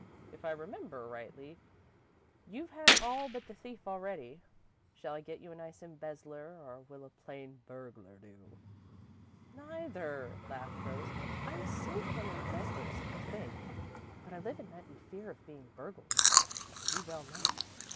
If I remember rightly, you've had all but the thief already. Shall I get you a nice embezzler, or will a plain burglar do?" "Neither," laughed Rose. "I'm safe from embezzlers, I think, but I live in nightly fear of being burgled, as you well know."